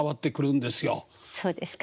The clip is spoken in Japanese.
そうですか？